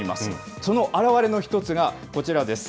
その表れの一つがこちらです。